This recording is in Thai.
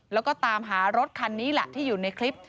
แล้วก็ตามหารถคันนี้แหละที่อยู่ในคลิป